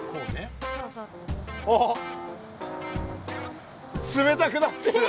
ああっ冷たくなってる。